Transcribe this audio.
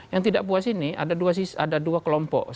yang tidak puas ini ada dua kelompok